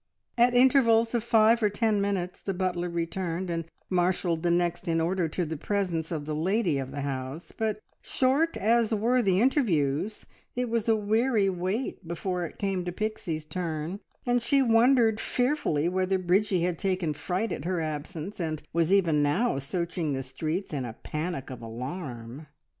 At intervals of five or ten minutes the butler returned and marshalled the next in order to the presence of the lady of the house, but, short as were the interviews, it was a weary wait before it came to Pixie's turn, and she wondered fearfully whether Bridgie had taken fright at her absence, and was even now searching the streets in a panic of alarm.